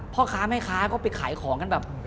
พ่อค้าแม่ค้าก็ไปขายของกันแบบ